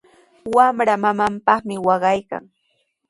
Wamra mamanpaqmi waqaykan.